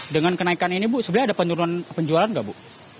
dengan kenaikan ini bu sebenarnya ada penurunan penjualan nggak bu